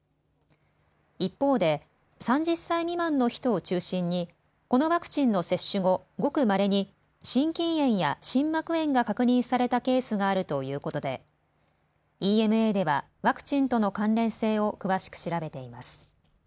一方で３０歳未満の人を中心にこのワクチンの接種後、ごくまれに心筋炎や心膜炎が確認されたケースがあるということでＥＭＡではワクチンとの関連性を詳しく調べています。